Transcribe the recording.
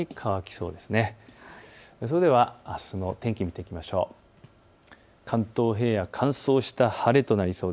それではあすの天気を見ていきましょう。